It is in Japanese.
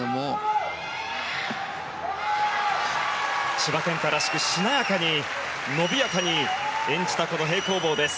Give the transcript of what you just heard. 千葉健太らしくしなやかに、のびやかに演じた平行棒です。